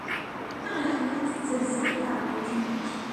Maɣef ay la tettazzal tɛebbuḍt-nnek?